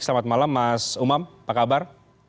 selamat malam mas umam apa kabar